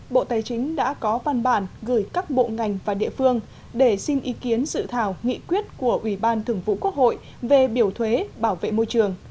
bộ tài chính đã có văn bản gửi các bộ ngành và địa phương để xin ý kiến sự thảo nghị quyết của ủy ban thường vụ quốc hội về biểu thuế bảo vệ môi trường